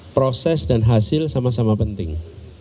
proses dan hasil sama sama penting